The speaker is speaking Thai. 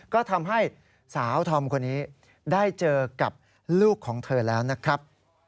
ก็ทำให้สาวธอมคนนี้ได้เจอกับลูกของเธอแล้วนะครับ